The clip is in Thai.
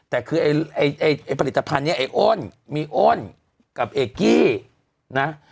แต่คือไอ้ผลิตภัณฑ์นี้ไอ้อ้นมีอ้นกับเอกกี้นะ